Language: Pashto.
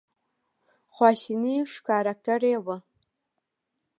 خواشیني ښکاره کړې وه.